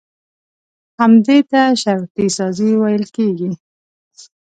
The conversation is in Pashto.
همدې ته شرطي سازي ويل کېږي.